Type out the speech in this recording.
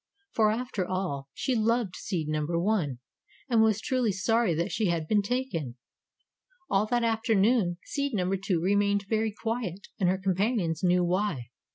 For after all, she loved seed number One and was truly sorry that she had been taken. All that afternoon seed number Two remained very quiet and her companions knew why.